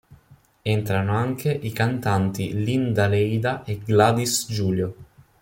Entrano anche i cantanti Linda Leida e Gladys Julio.